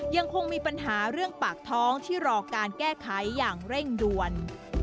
ยังคงมีปัญหาเรื่องปากท้องที่รอการแก้ไขอย่างเร่งด่วน